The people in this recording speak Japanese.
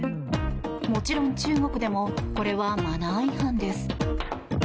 もちろん、中国でもこれはマナー違反です。